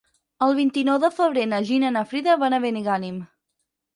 El vint-i-nou de febrer na Gina i na Frida van a Benigànim.